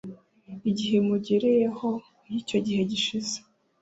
igihe imugereyeho iyo icyo gihe gishize